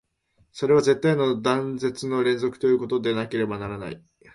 それは絶対の断絶の連続ということでなければならない。